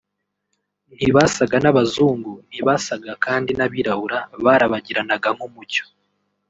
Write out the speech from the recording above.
ntibasaga n’abazungu ntibasaga kandi n’abirabura barabagiranaga nk’umucyo